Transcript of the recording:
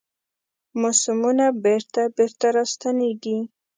موسمونه بیرته، بیرته راستنیږي